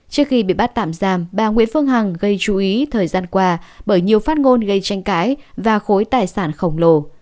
trước khi bị bắt tạm giam bà nguyễn phương hằng gây chú ý thời gian qua bởi nhiều phát ngôn gây tranh cãi và khối tài sản khổng lồ